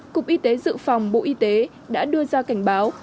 cục y tế dự phòng bộ y tế đã đưa ra cảnh báo